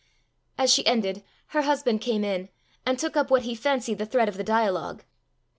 '" As she ended, her husband came in, and took up what he fancied the thread of the dialogue.